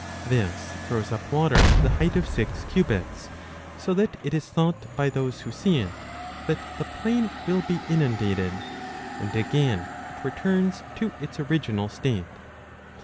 This throws up water to the height of six cubits, so that it 10 is thought by those who see it that the plain will be inundated ; and again it returns to its original state.